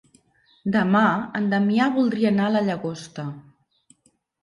Demà en Damià voldria anar a la Llagosta.